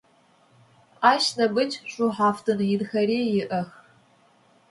Ащ нэмыкӏ шӏухьафтын инхэри иӏэх.